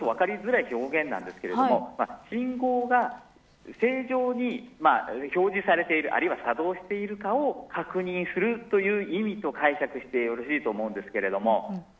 ちょっと分かりづらい表現ですけれども信号が正常に表示されているあるいは作動しているかを確認するという意味と解釈してよろしいと思います。